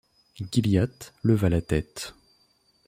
Gilliatt leva la tête.